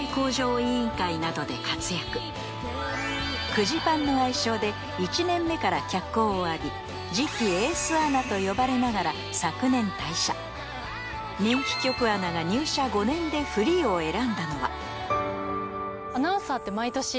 「クジパンの愛称で１年目から脚光を浴び次期エースアナと呼ばれながら昨年人気局アナが入社５年でんですけど